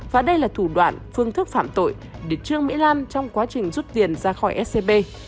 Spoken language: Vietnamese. và đây là thủ đoạn phương thức phạm tội để trương mỹ lan trong quá trình rút tiền ra khỏi scb